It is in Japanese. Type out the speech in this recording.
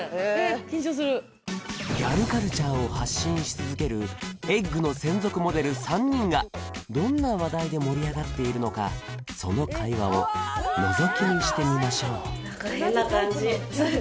緊張するギャルカルチャーを発信し続ける「ｅｇｇ」の専属モデル３人がどんな話題で盛り上がっているのかその会話をのぞき見してみましょう何か変な感じ